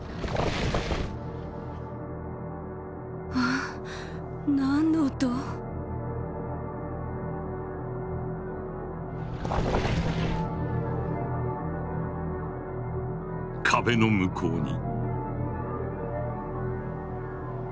あっ何の音？壁の向こうに。